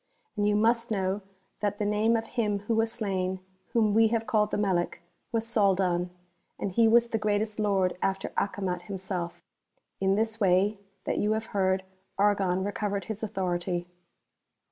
And you must know that the name of him who was slain, whom we have 404 MARCO POLO. Book IV, called the Melic, was Soldax ; and he was the greatest Lord after Acomat himself. In this way that you have heard, Argon recovered his authority.